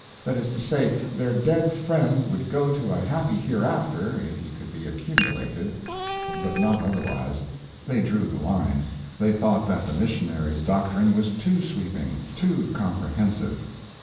That is to say, their dead friend would go to a happy hereafter if he could be accumulated, but not otherwise. They drew the line; they thought that the missionary's doctrine was too sweeping, too comprehensive.